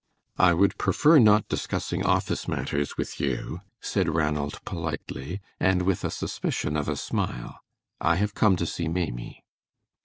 "I would prefer not discussing office matters with you," said Ranald, politely, and with a suspicion of a smile. "I have come to see Maimie."